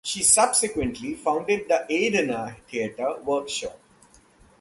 She subsequently founded the Adana Theatre Workshop.